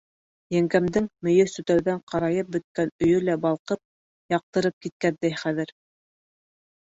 Еңгәмдең мейес төтәүҙән ҡарайып бөткән өйө лә балҡып, яҡтырып киткәндәй хәҙер.